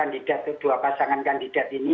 dua pasangan kandidat ini